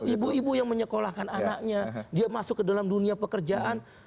ibu ibu yang menyekolahkan anaknya dia masuk ke dalam dunia pekerjaan